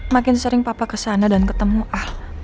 makin sering papa kesana dan ketemu ar